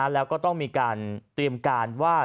แล้วก็ต้องมีการเตรียมการว่า